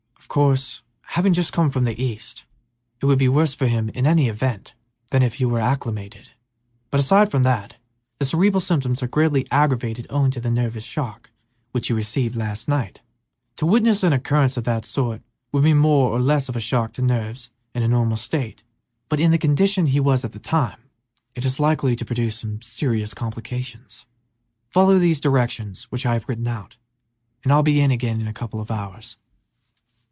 "Of course, having just come from the East, it would be worse for him in any event than if he were acclimated; but aside from that, the cerebral symptoms are greatly aggravated owing to the nervous shock which he received last night. To witness an occurrence of that sort would be more or less of a shock to nerves in a normal state, but in the condition in which he was at the time, it is likely to produce some rather serious complications. Follow these directions which I have written out, and I'll be in again in a couple of hours."